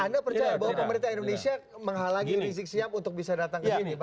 anda percaya bahwa pemerintah indonesia menghalangi rizik sihab untuk bisa datang ke sini pak